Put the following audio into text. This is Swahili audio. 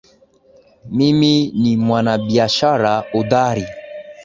Mimi ni mwanabiashara hodari